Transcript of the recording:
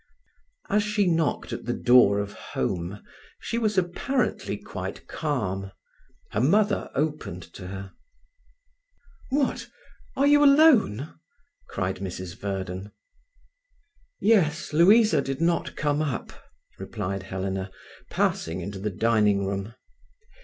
As she knocked at the door of home she was apparently quite calm. Her mother opened to her. "What, are you alone?" cried Mrs. Verden. "Yes. Louisa did not come up," replied Helena, passing into the dining room.